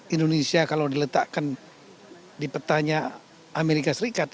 indonesia kalau diletakkan di petanya amerika serikat